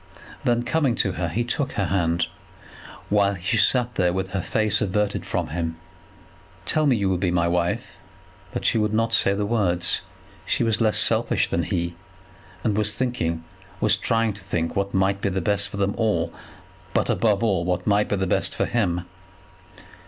Then, coming to her, he took her hand, while she sat with her face averted from him. "Tell me that you will be my wife." But she would not say the words. She was less selfish than he, and was thinking, was trying to think what might be best for them all, but, above all, what might be best for him.